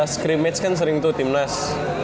scrimmage kan sering tuh timnas